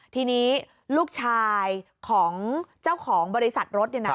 ทีนี้ลูกชายของเจ้าของบริษัทรถ